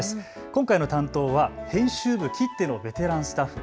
今回の担当は編集部きってのベテランスタッフ